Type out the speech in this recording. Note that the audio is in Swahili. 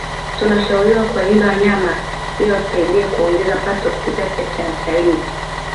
Tunashauriwa kuwalinda wanyama ili watusaidie kuongeza pato kupitia sekta ya utalii